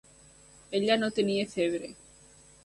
Ella no tenia febre.